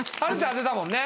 当てたもんね